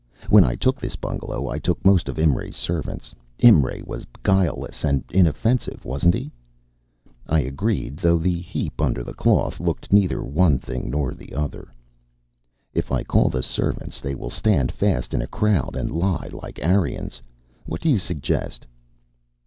When I took this bungalow I took most of Imray's servants. Imray was guileless and inoffensive, wasn't he?" I agreed, though the heap under the cloth looked neither one thing nor the other. "If I call the servants they will stand fast in a crowd and lie like Aryans. What do you suggest?"